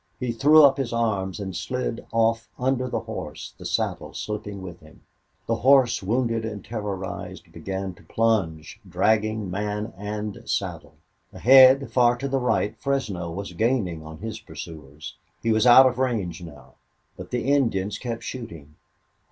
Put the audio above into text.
He threw up his arms and slid off under the horse, the saddle slipping with him. The horse, wounded and terrorized, began to plunge, dragging man and saddle. Ahead, far to the right, Fresno was gaining on his pursuers. He was out of range now, but the Indians kept shooting.